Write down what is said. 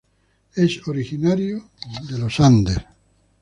Es originario de los Andes.